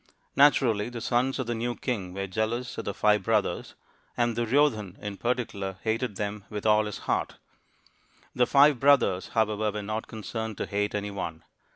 Naturally, the sons of the new king were jealous of the five brothers; and Duryodhan, in particular, hated them with_dl JikJlfiart. The five brothers, ""however, were not concerned to hate any one.